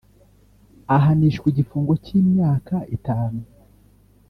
ahanishwa igifungo cy’imyaka itanu